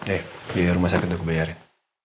eh biar rumah sakit aku bayarin